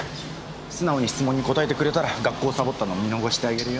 素直に質問に答えてくれたら学校サボったの見逃してあげるよ。